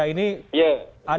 ada yang mengatakan ini salah kaprah